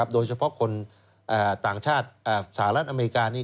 โดยเฉพาะคนต่างชาติสหรัฐอเมริกา